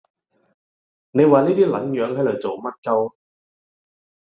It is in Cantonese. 你話呢啲人喺度做乜